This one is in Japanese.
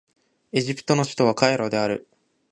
エジプトの首都はカイロである